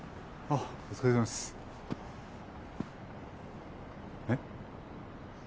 えっえっ！？